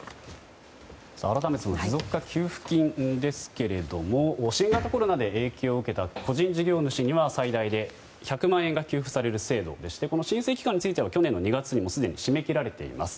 改めて持続化給付金ですが新型コロナで影響を受けた個人事業主には最大で１００万円が給付される制度でして申請期間については去年の２月にすでに締め切られています。